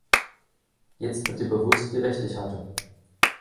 Jetzt wird dir bewusst, wie Recht ich hatte.